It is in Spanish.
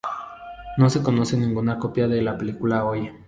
No se conoce ninguna copia de la película hoy.